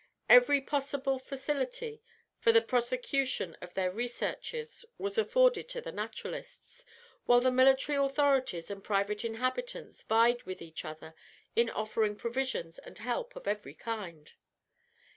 Every possible facility for the prosecution of their researches was afforded to the naturalists, whilst the military authorities and private inhabitants vied with each other in offering provisions and help of every kind.